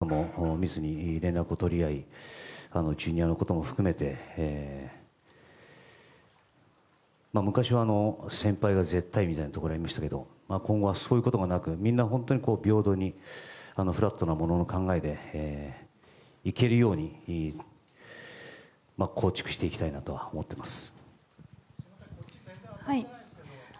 ただ、それを経験していますから井ノ原とも密に連絡を取り合いＪｒ．のことも含めて昔は先輩が絶対みたいなところがありましたけど今後はそういうことがなくみんな平等にフラットなものの考えでいけるように構築していきたいなと思っています。